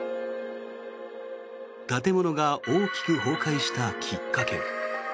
建物が大きく崩壊したきっかけ。